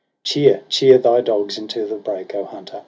Cheer, cheer thy dogs into the brake, O Hunter